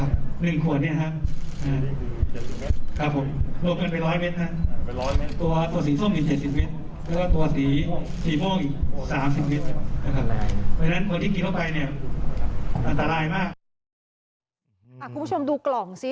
คุณผู้ชมดูกล่องซิ